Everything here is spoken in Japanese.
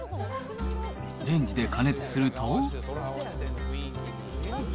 レンジで加熱すると。